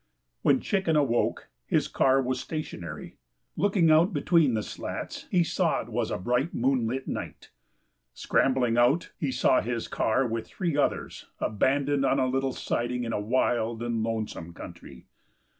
When Chicken awoke his car was stationary. Looking out between the slats he saw it was a bright, moonlit night. Scrambling out, he saw his car with three others abandoned on a little siding in a wild and lonesome country.